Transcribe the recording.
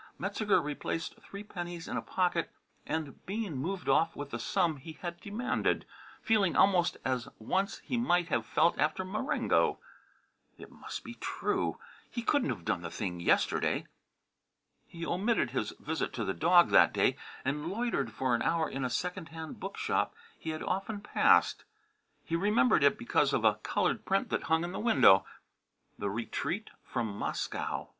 Metzeger replaced three pennies in a pocket, and Bean moved off with the sum he had demanded, feeling almost as once he might have felt after Marengo. It must be true! He couldn't have done the thing yesterday. He omitted his visit to the dog that day and loitered for an hour in a second hand bookshop he had often passed. He remembered it because of a coloured print that hung in the window, "The Retreat from Moscow."